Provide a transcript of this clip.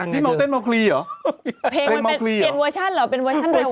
อันนี้เต้นเมาคลีเหรอพี่เมาเต้นเมาคลีเหรอเพลงมันเป็นเวอร์ชันเหรอเป็นเวอร์ชันเร็วเหรอ